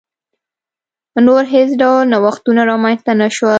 نور هېڅ ډول نوښتونه رامنځته نه شول.